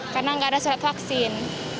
karena tidak ada surat vaksin